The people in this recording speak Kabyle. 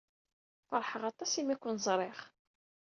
Feṛḥeɣ aṭas imi ay ken-ẓriɣ.